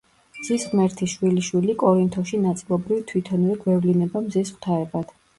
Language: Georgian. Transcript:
მზის ღმერთის შვილიშვილი კორინთოში ნაწილობრივ თვითონვე გვევლინება მზის ღვთაებად.